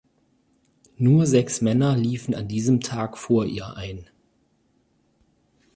Nur sechs Männer liefen an diesem Tag vor ihr ein.